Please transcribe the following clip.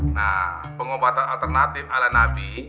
nah pengobatan alternatif ala nabi